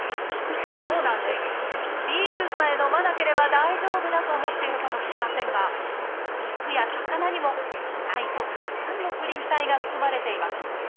ビールさえ飲まなければ大丈夫だと思っているかもしれませんが肉や魚にも意外とたくさんのプリン体が含まれています。